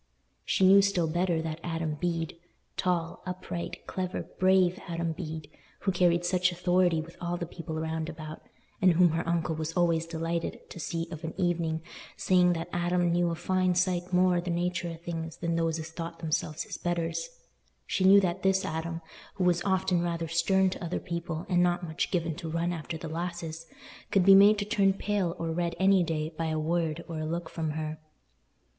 She knew still better, that Adam Bede—tall, upright, clever, brave Adam Bede—who carried such authority with all the people round about, and whom her uncle was always delighted to see of an evening, saying that "Adam knew a fine sight more o' the natur o' things than those as thought themselves his betters"—she knew that this Adam, who was often rather stern to other people and not much given to run after the lasses, could be made to turn pale or red any day by a word or a look from her.